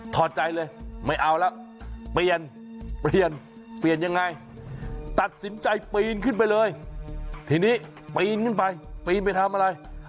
ทอดใจเลยไม่เอาแล้วเปลี่ยนเปลี่ยนเปลี่ยนยังไง